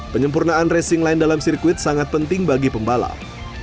penyempurnaan racing line dalam sirkuit sangat penting bagi pembalap